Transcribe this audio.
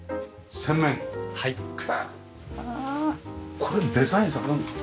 これデザインされたんですか？